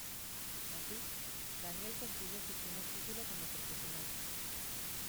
Así, Daniel consiguió su primer título como profesional.